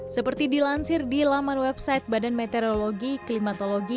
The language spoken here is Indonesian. seperti dilansir di laman website badan meteorologi klimatologi